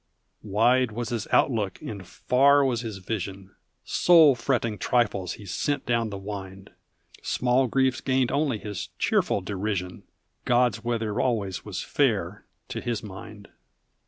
Wide was his out look and far was his vision; Soul fretting trifles he sent down the wind; Small griefs gained only his cheerful derision, God's weather always was fair to his mind.